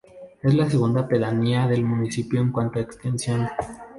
Es la segunda pedanía del municipio en cuanto a extensión.